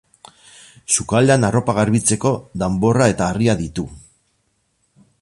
Sukaldean arropa garbitzeko danborra eta harria ditu.